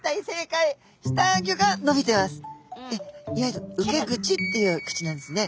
いわゆる受け口っていう口なんですね。